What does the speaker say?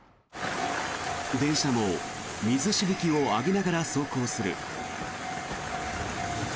電車も水しぶきを上げながら走行する。